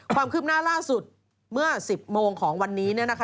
ความคืบหน้าล่าสุดเมื่อ๑๐โมงของวันนี้